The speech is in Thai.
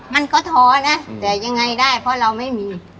มันก็ท้อนะแต่ยังไงได้เพราะเราไม่มี